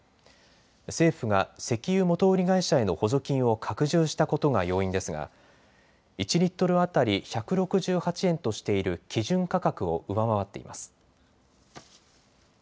政府が石油元売り会社への補助金を拡充したことが要因ですが１リットル当たり１６８円としている基準価格を上回っています。